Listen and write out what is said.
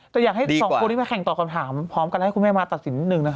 แต่อยากให้สองคนที่มาแข่งตอบคำถามพร้อมกันให้คุณแม่มาตัดสินหนึ่งนะคะ